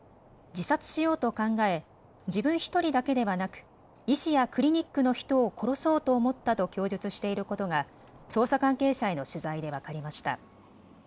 自殺しようと考え自分１人だけではなく医師やクリニックの人を殺そうと思ったと供述していることが捜査関係者への取材で分かりました。